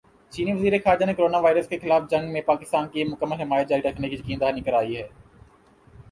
چینی وزیرخارجہ نے کورونا وائرس کےخلاف جنگ میں پاکستان کی مکمل حمایت جاری رکھنے کی یقین دہانی کرادی